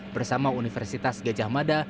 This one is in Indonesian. bersama universitas gejah madi